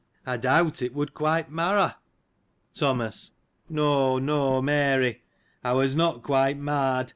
I doubt it would quite mar a.' Thomas. — No : no : Mary : I was not quite marred.